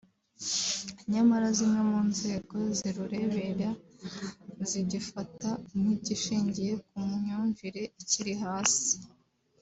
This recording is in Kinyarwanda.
nyamara zimwe mu nzego zirureberera zigifata nk’igishingiye ku myumvire ikiri hasi